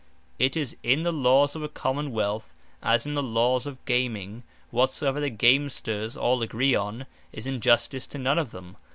It is in the Lawes of a Common wealth, as in the Lawes of Gaming: whatsoever the Gamesters all agree on, is Injustice to none of them.